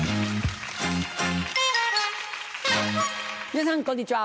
皆さんこんにちは。